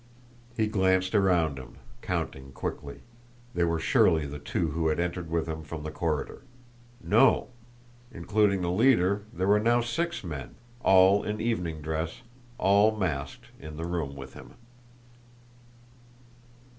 He glanced around him, counting quickly they were surely the two who had entered with him from the corridor. No! Including the leader, there were now six men, all in evening dress, all masked, in the room with him.